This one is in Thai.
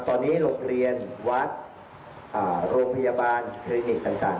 ตอนนี้โรงเรียนวัดโรงพยาบาลเครหิตต่าง